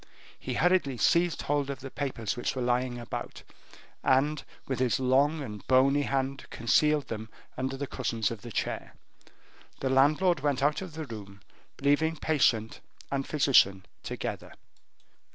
He hurriedly seized hold of the papers which were lying about, and with his long and bony hand concealed them under the cushions of the chair. The landlord went out of the room, leaving patient and physician together.